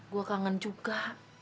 gue kangen juga